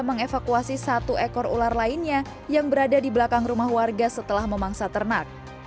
mengevakuasi satu ekor ular lainnya yang berada di belakang rumah warga setelah memangsa ternak